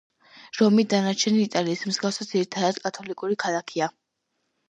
რომი, დანარჩენი იტალიის მსგავსად, ძირითადად, კათოლიკური ქალაქია.